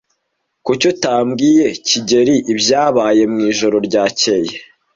Kuki utabwiye kigeli ibyabaye mwijoro ryakeye?